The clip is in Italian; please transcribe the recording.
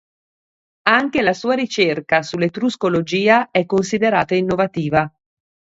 Anche la sua ricerca sull'etruscologia è considerata innovativa.